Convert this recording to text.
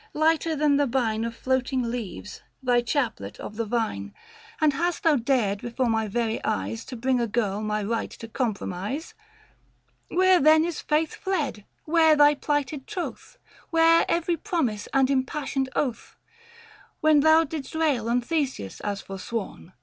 lighter than the bine Of floating leaves, thy chaplet of the Yine ; And hast thou dared before my very eyes To bring a girl my right to compromise ? Where then is faith fled, where thy plighted troth, — 525 Where every promise and impassioned oath, — When thou didst rail on Theseus as forsworn